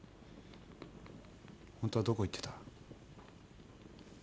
本当はどこ行ってた？